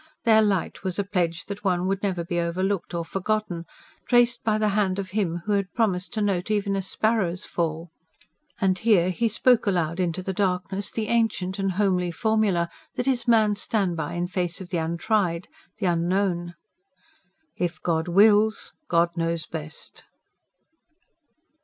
Their light was a pledge that one would never be overlooked or forgotten, traced by the hand of Him who had promised to note even a sparrow's fall. And here he spoke aloud into the darkness the ancient and homely formula that is man's stand by in face of the untried, the unknown. "If God wills.... God knows best."